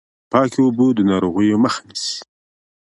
پاکې اوبه د ناروغیو مخه نیسي۔